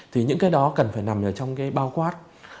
thì những cái đó cần phải nằm ở trong cái bao quát